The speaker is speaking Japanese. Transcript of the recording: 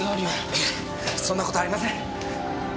いえそんな事ありません。